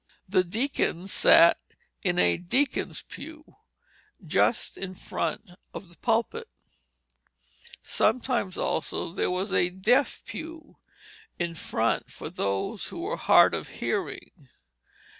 The deacons sat in a "Deacons' Pue" just in front of the pulpit; sometimes also there was a "Deaf Pue" in front for those who were hard of hearing.